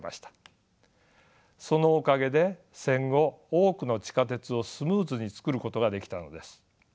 そのおかげで戦後多くの地下鉄をスムーズに造ることができたのです。